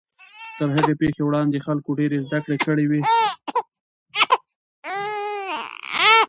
تر هغې پیښې وړاندې خلکو ډېرې زدهکړې کړې وې.